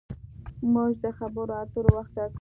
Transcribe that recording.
موږ د خبرو اترو وخت ټاکو.